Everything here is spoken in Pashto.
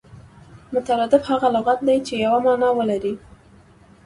مترادف هغه لغت دئ، چي یوه مانا ولري.